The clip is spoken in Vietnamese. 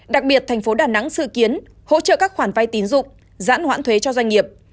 đặc biệt thành phố đà nẵng dự kiến hỗ trợ các khoản vay tín dụng giãn hoãn thuế cho doanh nghiệp